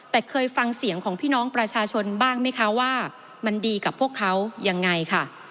แต่เคยฟังเสียงของพี่น้องประชาชนบ้างไหมคะว่ามันดีกับพวกเขายังไงค่ะ